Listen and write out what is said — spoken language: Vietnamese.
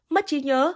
mất trí nhớ